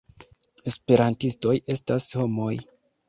Esperantistoj estas homoj.